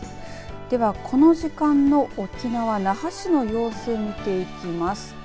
ではこの時間の沖縄那覇市の様子見ていきます。